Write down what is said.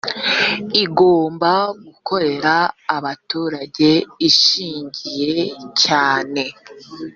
igomba gukorera abaturage ishingiye cyane